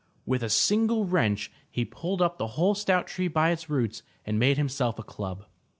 With a single wrench, he pulled up the whole stout tree by its roots and made himself a club.